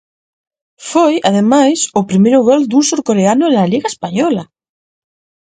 Foi, ademais, o primeiro gol dun surcoreano na liga española.